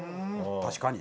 確かに。